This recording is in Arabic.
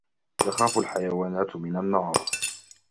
تخاف الحيوانات من النار.